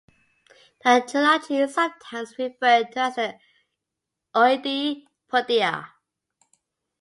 The trilogy is sometimes referred to as the Oedipodea.